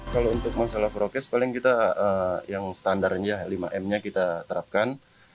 kalau untuk masalah prokes paling kita yang standarnya lima m nya kita terapkan